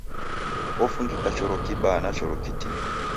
Ofungika choro kibaa na choro kitini.